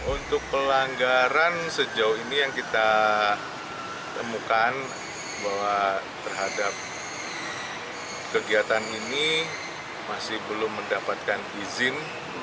untuk pelanggaran sejauh ini yang kita temukan bahwa terhadap kegiatan ini masih belum mendapatkan izin